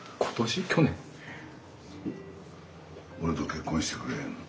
「俺と結婚してくれ」いうの。